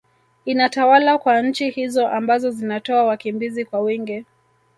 inatawala kwa nchi hizo ambazo zinatoa wakimbizi kwa wingi